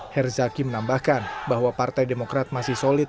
herzaki menambahkan bahwa partai demokrat masih solid